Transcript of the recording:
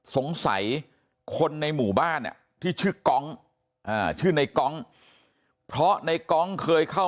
สงสัยคนในหมู่บ้านที่ชื่อกองชื่อในกองเพราะในกองเคยเข้า